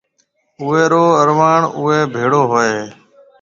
اوئيَ رو اروڻ اوئيَ ڀيڙو ھوئيَ ھيََََ